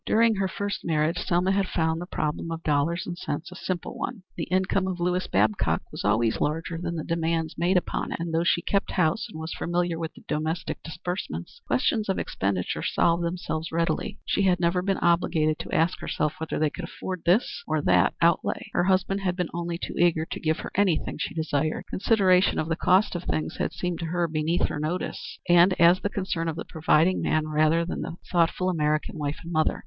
During her first marriage Selma had found the problem of dollars and cents a simple one. The income of Lewis Babcock was always larger than the demands made upon it, and though she kept house and was familiar with the domestic disbursements, questions of expenditure solved themselves readily. She had never been obliged to ask herself whether they could afford this or that outlay. Her husband had been only too eager to give her anything she desired. Consideration of the cost of things had seemed to her beneath her notice, and as the concern of the providing man rather than the thoughtful American wife and mother.